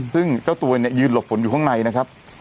ซึ่งเจ้าตัวเนี่ยยืนหลบฝนอยู่ข้างในนะครับ